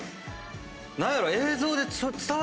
何やろ？